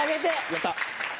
やった！